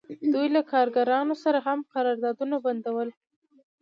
دوی له کارګرانو سره هم قراردادونه بندول